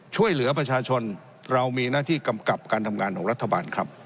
ช่วยเหลือประชาชนเรามีหน้าที่กำกับการทำงานของรัฐบาลครับ